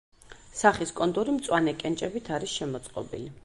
სახის კონტური მწვანე კენჭებით არის შემოწყობილი.